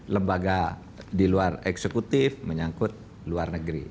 lembaga di luar eksekutif menyangkut luar negeri